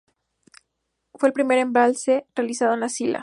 Fue el primer embalse realizado en La Sila.